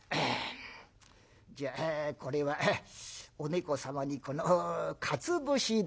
「じゃあこれはお猫様にこのかつ節代」。